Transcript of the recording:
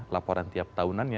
laporan tiap tahunannya